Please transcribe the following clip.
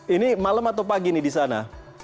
ini malam atau pagi nih di sana